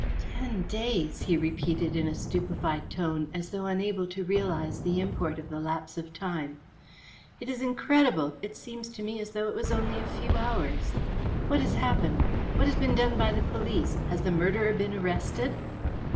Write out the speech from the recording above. "Ten days!" he repeated in a stupefied tone, as though unable to realize the import of the lapse of time. "It is incredible! It seems to me as though it was only a few hours. What has happened? What has been done by the police? Has the murderer been arrested?"